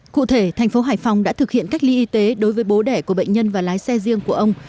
cụ thể thành phố hải phòng đã thực hiện cách ly y tế đối với bố đẻ của bệnh nhân và lái xe riêng của ông